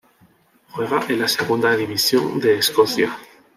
Juega en la Segunda División de Escocia.